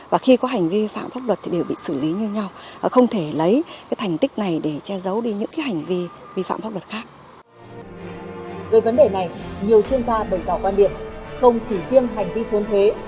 về vấn đề này nhiều chuyên gia bày tỏ quan điểm không chỉ riêng hành vi trốn thuế